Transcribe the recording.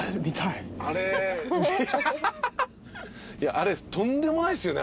あれとんでもないっすよね